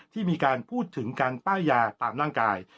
ที่มีการพูดถึงการป้ายยาตามร่างกาย